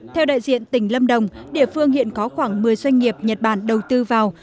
theo đại diện tỉnh lâm đồng địa phương hiện có khoảng một mươi doanh nghiệp nhật bản đầu tư vào